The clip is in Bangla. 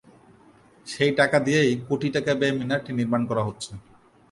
সেই টাকা দিয়েই কোটি টাকা ব্যয়ে মিনারটি নির্মাণ করা হচ্ছে।